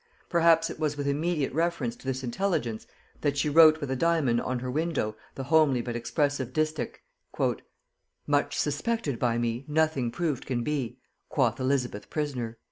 Perhaps it was with immediate reference to this intelligence that she wrote with a diamond on her window the homely but expressive distich, "Much suspected by me Nothing proved can be, Quoth Elizabeth prisoner."